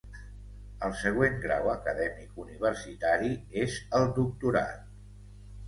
El següent grau acadèmic universitari és el doctorat.